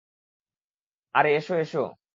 আরে, এসো এসো!